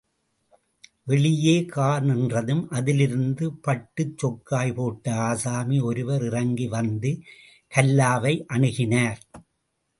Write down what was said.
வெளியே கார் நின்றதும், அதிலிருந்து பட்டுச் சொக்காய் போட்ட ஆசாமி ஒருவர் இறங்கி வந்து, கல்லாவை அணுகினார்.